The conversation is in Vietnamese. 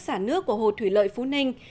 xả nước của hồ thủy lợi phú ninh